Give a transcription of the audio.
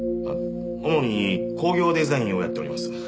主に工業デザインをやっております。